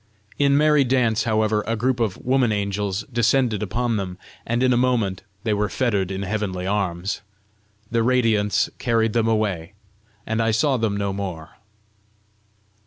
In merry dance, however, a group of woman angels descended upon them, and in a moment they were fettered in heavenly arms. The radiants carried them away, and I saw them no more.